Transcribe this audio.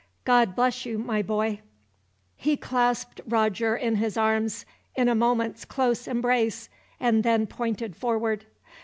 God bless you, my boy." He clasped Roger in his arms, in a moment's close embrace, and then pointed forward.